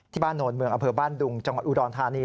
ที่บ้านโนธเมืองอเผอบ้านดุงจังหวัดอุดรณฑานี